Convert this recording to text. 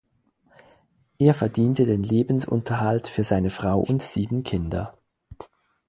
Er verdiente den Lebensunterhalt für seine Frau und sieben Kinder.